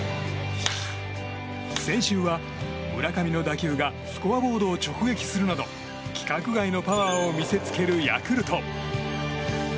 先週は村上の打球がスコアボードを直撃するなど規格外のパワーを見せつけるヤクルト。